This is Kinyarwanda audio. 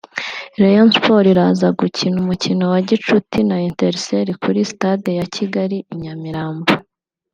Rayon Sports iraza gukina umukino wa gicuti na Etincelles kuri Stade ya Kigali i Nyamirambo